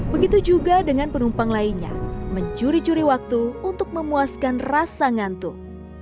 begitu juga dengan penumpang lainnya mencuri curi waktu untuk memuaskan rasa ngantuk